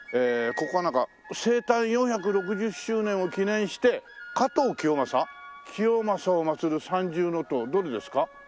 ここはなんか生誕４６０周年を記念して加藤清正？清正をまつる三重塔どれですか？